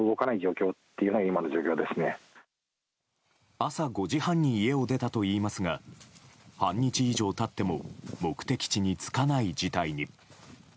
朝５時半に家を出たといいますが半日以上経っても目的地に着かない事態に。